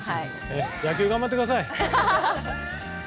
野球、頑張ってください！